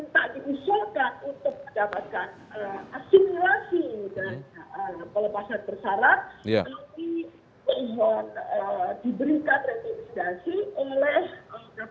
terhadap proposisi yang bersyakutan untuk mendapatkan asimilasi dan pelepasan bersyarat